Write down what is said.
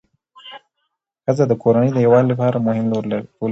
ښځه د کورنۍ د یووالي لپاره مهم رول لري